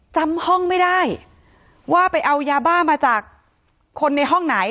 จำห้องไม่ได้ว่าไปเอายาบ้ามาจากคนในห้องไหน